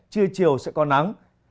trưa chiều sẽ có nắng